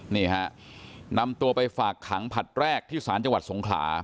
นี่ฮะนำตัวไปฝากขังผลัดแรกที่ศาลจังหวัดสงขลา